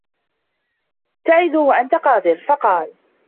تَعِدُ وَأَنْتَ قَادِرٌ ؟ فَقَالَ